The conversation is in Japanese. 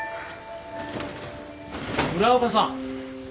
・村岡さん。